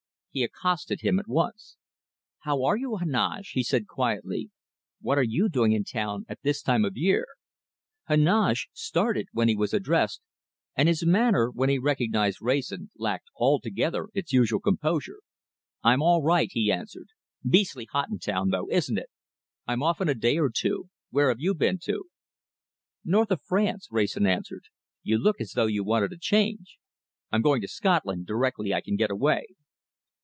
He accosted him at once. "How are you, Heneage?" he said quietly. "What are you doing in town at this time of the year?" Heneage started when he was addressed, and his manner, when he recognized Wrayson, lacked altogether its usual composure. "I'm all right," he answered. "Beastly hot in town, though, isn't it? I'm off in a day or two. Where have you been to?" "North of France," Wrayson answered. "You look as though you wanted a change!" "I'm going to Scotland directly I can get away."